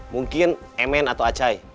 mungkin mn atau acai